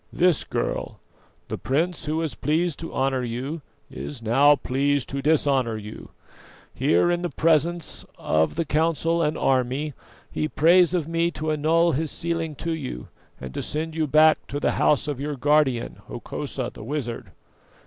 "This, girl: the prince who was pleased to honour you is now pleased to dishonour you. Here, in the presence of the council and army, he prays of me to annul his sealing to you, and to send you back to the house of your guardian, Hokosa the wizard."